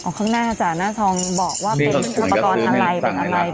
ข้างในอาจารย์หน้าทองบอกว่าเป็นอุปกรณ์อะไร